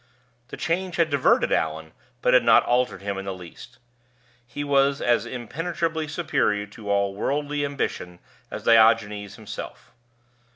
The change had diverted Allan, but had not altered him in the least. He was as impenetrably superior to all worldly ambition as Diogenes himself.